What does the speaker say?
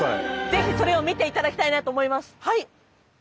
ぜひそれを見ていただきたいなと思います。